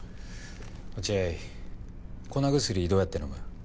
落合粉薬どうやって飲む？